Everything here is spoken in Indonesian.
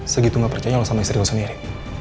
segitu gak percaya lo sama istri lo sendiri